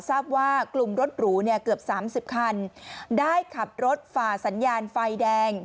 ทราบว่ากลุ่มรถหรูเนี่ยเกือบ๓๐คันได้ขับรถฝ่าสัญญาณไฟแดง